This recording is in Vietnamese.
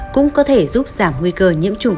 cũng có thể giúp giảm nguy cơ nhiễm trụng